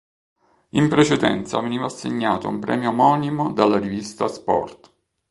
In precedenza veniva assegnato un premio omonimo dalla rivista "Sport".